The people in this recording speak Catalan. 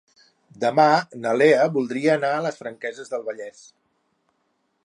Demà na Lea voldria anar a les Franqueses del Vallès.